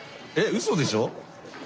うそでしょ？